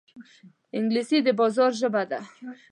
انګلیسي د بازار ژبه ده